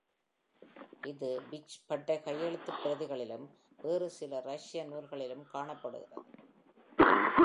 இது பிர்ச் பட்டை கையெழுத்துப் பிரதிகளிலும் வேறு சில ரஷ்ய நூல்களிலும் காணப்படுகிறது.